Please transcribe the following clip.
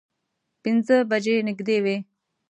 پینځه بجې نږدې وې.